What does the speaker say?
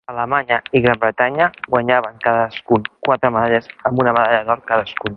Alemanya i Gran Bretanya guanyaven cadascun quatre medalles amb una medalla d'or cadascun.